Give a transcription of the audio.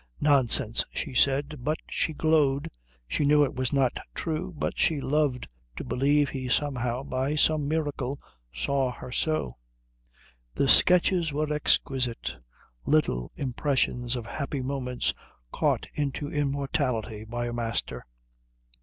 "Nonsense," she said; but she glowed. She knew it was not true, but she loved to believe he somehow, by some miracle, saw her so. The sketches were exquisite; little impressions of happy moments caught into immortality by a master.